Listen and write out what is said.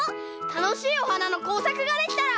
たのしいおはなのこうさくができたら。